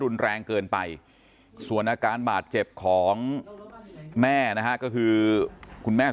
รุนแรงเกินไปส่วนอาการบาดเจ็บของแม่นะฮะก็คือคุณแม่